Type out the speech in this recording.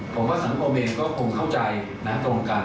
ผมว่าสังคมเองก็คงเข้าใจนะตรงกัน